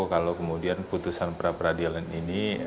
kalau kemudian putusan pra peradilan ini